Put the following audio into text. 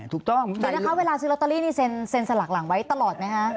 แต่เวลาซื้อลอตเตอรี่นี่เซ็นต์สลักหลังไว้ตลอดไหมฮะ